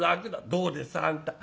「どうです？あんた。